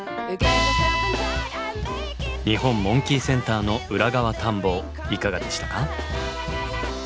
日本モンキーセンターの裏側探訪いかがでしたか？